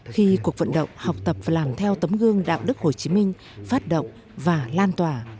khi cuộc vận động học tập và làm theo tấm gương đạo đức hồ chí minh phát động và lan tỏa